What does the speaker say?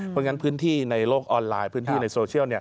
เพราะฉะนั้นพื้นที่ในโลกออนไลน์พื้นที่ในโซเชียล